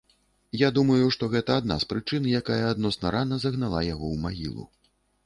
Я думаю, што гэта адна з прычын, якая адносна рана загнала яго ў магілу.